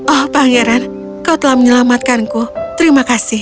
oh pangeran kau telah menyelamatkanku terima kasih